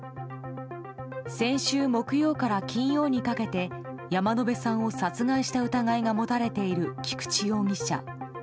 先週木曜から金曜にかけて山野辺さんを殺害した疑いが持たれている菊池容疑者。